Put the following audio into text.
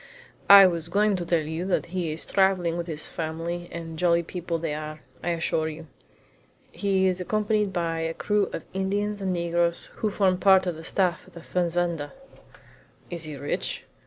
"I was going to tell you that he is traveling with all his family and jolly people they are, I assure you. He is accompanied by a crew of Indians and negroes, who form part of the staff at the fazenda." "Is he rich?"